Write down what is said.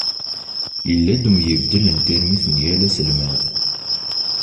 Yalla-d umyibdel n tirmit n yal aselmad.